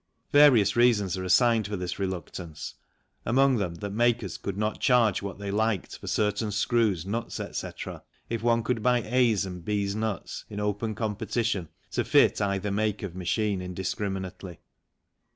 Various reasons are assigned for this reluctance, among them that makers could not charge what they liked for certain screws, nuts, etc., if one could buy A's and B's nuts in open competition to fit either make of machine indiscriminately.